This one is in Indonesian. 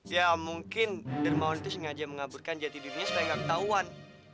ya mungkin dermawan itu sengaja mengaburkan jati dirinya supaya nggak ketahuan